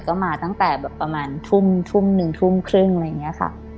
ก็มาตั้งแต่แบบประมาณทุ่มหนึ่งทุ่มครึ่งอะไรอย่างนี้ค่ะ